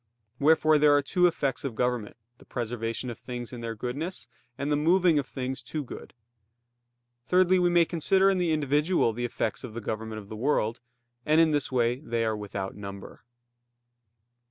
Wherefore there are two effects of government, the preservation of things in their goodness, and the moving of things to good. Thirdly, we may consider in the individual the effects of the government of the world; and in this way they are without number.